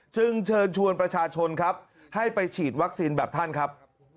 เชิญชวนประชาชนครับให้ไปฉีดวัคซีนแบบท่านครับ